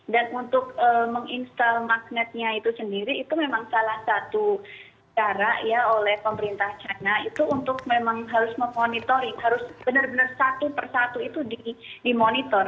dan untuk menginstall magnetnya itu sendiri itu memang salah satu cara ya oleh pemerintah china itu untuk memang harus memonitoring harus benar benar satu persatu itu dimonitor